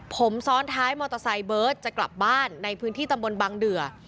ผมซ้อนท้ายมอเตอร์ไซค์เบิร์ตจะกลับบ้านในพื้นที่ตำบลบังเดือ